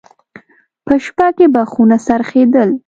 په شپه کې به خونه څرخېدل.